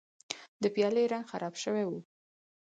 د پیالې رنګ خراب شوی و.